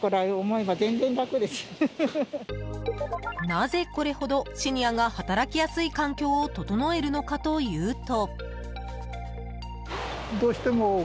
なぜ、これほどシニアが働きやすい環境を整えるのかというと。